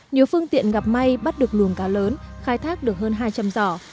nhiều phương tiện gặp may bắt được luồng cá lớn khai thác được hơn hai trăm linh giỏ